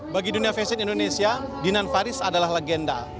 bagi dunia fashion indonesia dinan faris adalah legenda